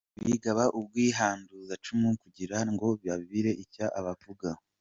Bigaba ubwihanduzacumu kugira ngo bagire icyo bavuga.